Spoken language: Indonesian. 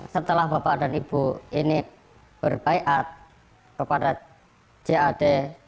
setelah bapak dan ibu ini berbaikat kepada jad